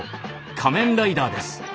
仮面ライダーです。